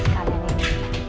biar lebih wangi lagi